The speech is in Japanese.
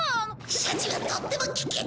シャチはとっても危険なんだ。